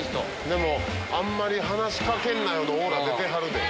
でも「あんまり話し掛けんなよ」のオーラ出てはるで。